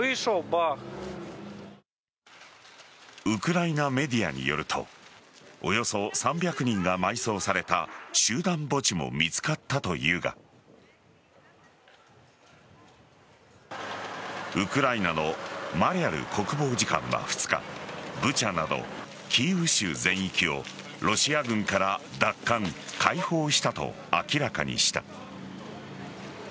ウクライナメディアによるとおよそ３００人が埋葬された集団墓地も見つかったというがウクライナのマリャル国防次官は２日ブチャなどキーウ州全域をロシア軍から奪還・解放したと明らかにした。